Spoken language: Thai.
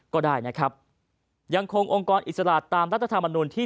ก็ได้นะครับยังคงองค์กรอิสระตามรัฐธรรมนุนที่